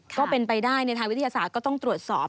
ก็เป็นไปได้ในทางวิทยาศาสตร์ก็ต้องตรวจสอบ